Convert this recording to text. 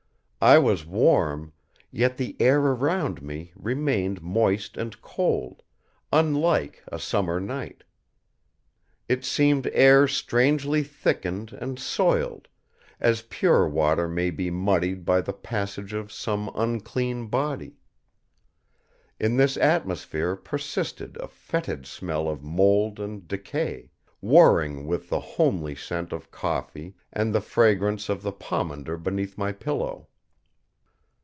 I was warm, yet the air around me remained moist and cold, unlike a summer night. It seemed air strangely thickened and soiled, as pure water may be muddied by the passage of some unclean body. In this atmosphere persisted a fetid smell of mold and decay, warring with the homely scent of coffee and the fragrance of the pomander beneath my pillow.